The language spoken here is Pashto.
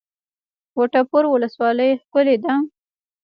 وټه پور ولسوالۍ ښکلې ده؟